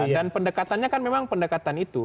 pendekatannya kan memang pendekatan itu